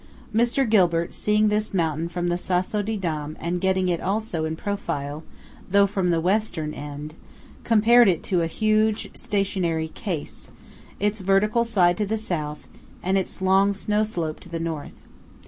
Mr. Gilbert, seeing this mountain from the Sasso di Dam and getting it also in profile, though from the Western end, compared it to a huge stationary case; its vertical side to the South, and its long snow slope to the North.